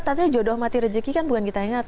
katanya jodoh mati rejeki kan bukan kita ingat